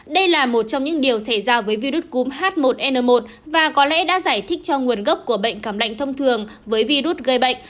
đây là một trong những điều xảy ra với virus cúm h một n một và có lẽ đã giải thích cho nguồn gốc của bệnh cảm lạnh thông thường với virus gây bệnh